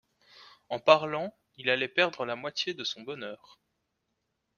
En parlant, il allait perdre la moitié de son bonheur.